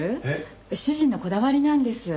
主人のこだわりなんです。